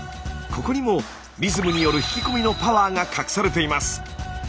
ここにもリズムによる引き込みのパワーが隠されています。